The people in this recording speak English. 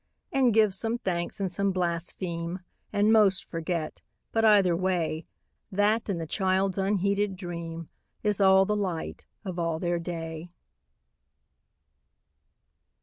And give some thanks, and some blaspheme, And most forget, but, either way, That and the child's unheeded dream Is all the light of all their day.